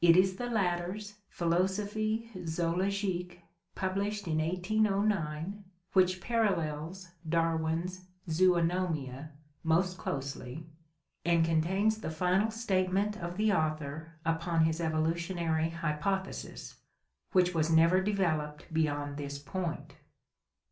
It is the latter's Philosophic Zodlogique, published in 1809, which parallels Darwin's Zobnomia most closely and contains the final statement of the author upon his evolutionary hypothesis, which was never developed beyond this point.